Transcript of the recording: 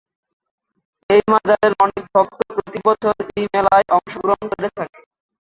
এই মাজারের অনেক ভক্ত প্রতি বছর এই মেলায় অংশ গ্রহণ করে থাকে।